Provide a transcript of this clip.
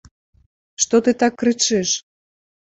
Што ты так крычыш?